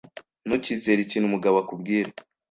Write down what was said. Ntukizere ikintu Mugabo akubwira.